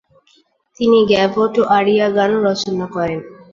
তিনি গাভট ও আরিয়া গানও রচনা করেন।